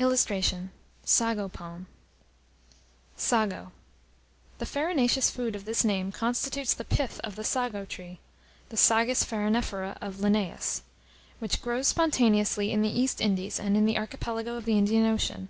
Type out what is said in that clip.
[Illustration: SAGO PALM.] SAGO. The farinaceous food of this name constitutes the pith of the SAGO tree (the Sagus farinifera of Linnaeus), which grows spontaneously in the East Indies and in the archipelago of the Indian Ocean.